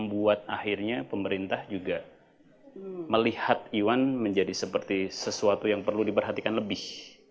buat akhirnya pemerintah juga melihat iwan menjadi seperti sesuatu yang perlu diperhatikan lebih